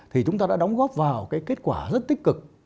thì chúng ta đã đóng góp vào cái kết quả rất tích cực